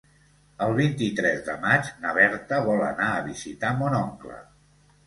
El vint-i-tres de maig na Berta vol anar a visitar mon oncle.